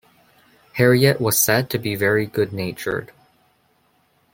Harriet was said to be very good-natured.